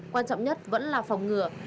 quan trọng nhất vẫn là phòng ngừa